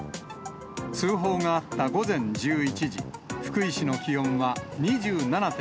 通報があった午前１１時、福井市の気温は２７．３度。